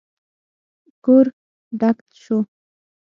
کور ډک شو.